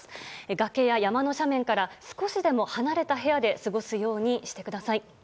崖や山の斜面から少しでも離れた部屋で過ごすようにしてください。